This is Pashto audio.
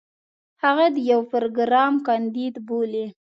هغه د يو پروګرام کانديد بولي.